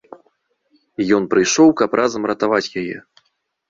Ён прыйшоў, каб разам ратаваць яе.